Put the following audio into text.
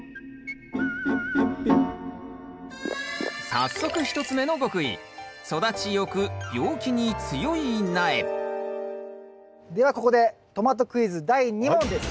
早速１つ目の極意ではここでトマトクイズ第２問です。